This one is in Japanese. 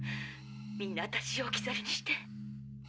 みんな私を置き去りにして。